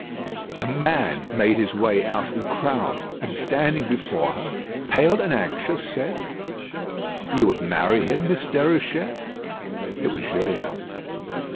A man made his way out of the crowd, and standing before her, pale and anxious, said: "You would marry him, Miss Déruchette?" It was Gilliatt.